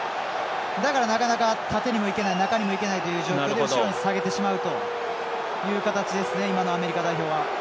だから、なかなか縦にもいけない中にもいけないという状況で後ろに下げてしまう形ですねアメリカ代表は。